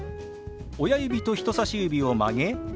親指と人さし指を曲げ